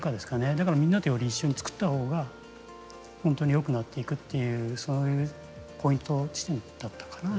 だからみんなとより一緒に作った方が本当によくなっていくっていうそういうポイント地点だったかな。